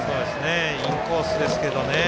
インコースですけどね。